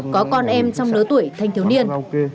có con em trong lứa tuổi thanh thiếu niên